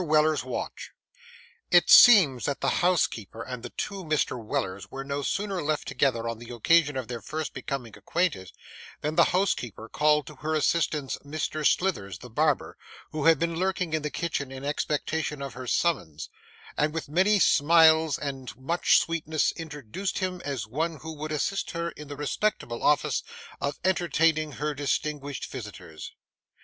WELLER'S WATCH IT seems that the housekeeper and the two Mr. Wellers were no sooner left together on the occasion of their first becoming acquainted, than the housekeeper called to her assistance Mr. Slithers the barber, who had been lurking in the kitchen in expectation of her summons; and with many smiles and much sweetness introduced him as one who would assist her in the responsible office of entertaining her distinguished visitors.